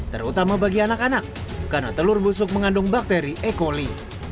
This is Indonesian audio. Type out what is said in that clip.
terutama bagi anak anak karena telur busuk mengandung bakteri e coli